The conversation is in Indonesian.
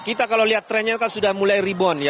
kita kalau lihat trennya kan sudah mulai rebound ya